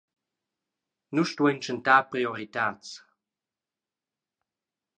Nus stuein tschentar prioritads.